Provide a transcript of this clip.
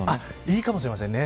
いいかもしれませんね。